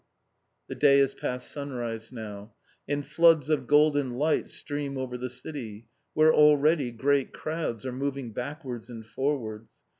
The day is past sunrise now, and floods of golden light stream over the city, where already great crowds are moving backwards and forwards.